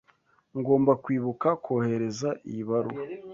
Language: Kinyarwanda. Ngomba kwibuka kohereza iyi baruwa.